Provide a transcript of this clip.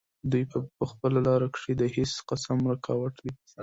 دوي پۀ خپله لاره کښې د هيڅ قسم رکاوټ